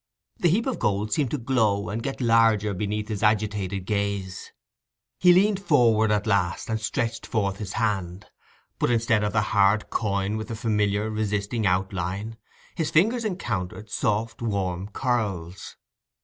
The heap of gold seemed to glow and get larger beneath his agitated gaze. He leaned forward at last, and stretched forth his hand; but instead of the hard coin with the familiar resisting outline, his fingers encountered soft warm curls.